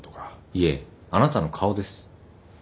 いえあなたの顔です。